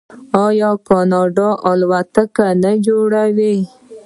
آیا کاناډا الوتکې نه جوړوي؟